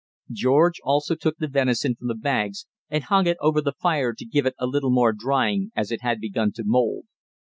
George also took the venison from the bags and hung it over the fire to give it a little more drying, as it had begun to mould.